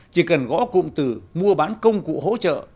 chỉ cần gõ cụm từ mua bán công cụ hỗ trợ